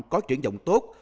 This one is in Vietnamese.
có triển dọng tốt